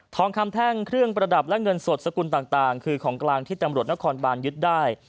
คำแท่งเครื่องประดับและเงินสดสกุลต่างคือของกลางที่ตำรวจนครบานยึดได้